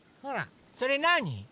それなに？